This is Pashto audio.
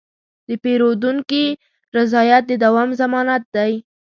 د پیرودونکي رضایت د دوام ضمانت دی.